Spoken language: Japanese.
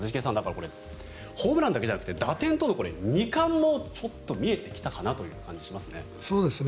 これ、ホームランだけじゃなくて打点との２冠も見えてきたかなという感じがしますね。